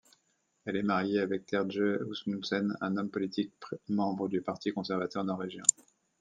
Elle est mariée avec Terje Osmundsen, un homme politique membre du parti conservateur norvégien.